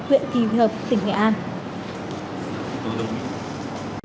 huyện quỳ hợp tỉnh nghệ an